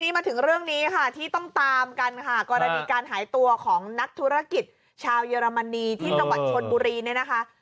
มาถึงเรื่องนี้ค่ะที่ต้องตามกันค่ะกรณีการหายตัวของนักธุรกิจชาวเยอรมนีที่จังหวัดชนบุรีเนี่ยนะคะ